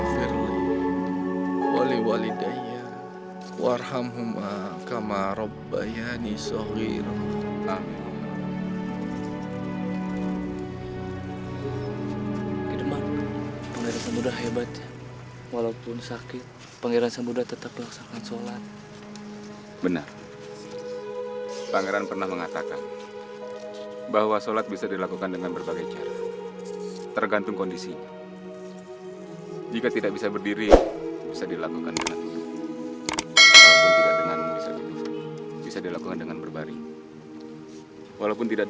semoga allah memberikan kemudahan kepada kita